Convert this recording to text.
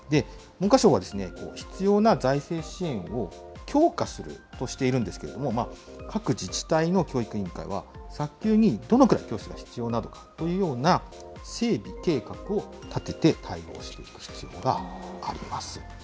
文科省は、必要な財政支援を強化するとしているんですけれども、各自治体の教育委員会は、早急に、どのくらい教室が必要なのかというような、整備計画を立てて、対応していく必要があります。